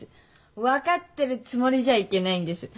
分かってるつもりじゃいけないんです。